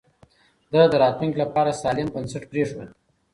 ده د راتلونکي لپاره سالم بنسټ پرېښود.